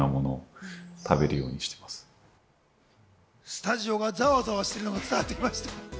スタジオがざわざわしてるのが伝わってきました。